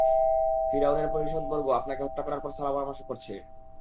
ফিরআউনের পারিষদবর্গ আপনাকে হত্যা করার সলাপরামর্শ করছে।